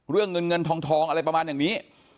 เรื่องเงินเงินทองอะไรประมาณอย่างนี้